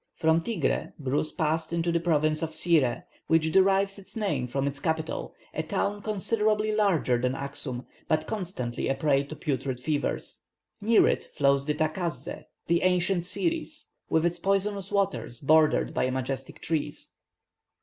From Tigré, Bruce passed into the province of Siré, which derives its name from its capital, a town considerably larger than Axum, but constantly a prey to putrid fevers. Near it flows the Takazzé, the ancient Siris, with its poisonous waters bordered by majestic trees.